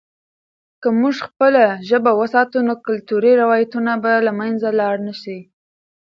که موږ خپله ژبه وساتو، نو کلتوري روایتونه به له منځه لاړ نه سي.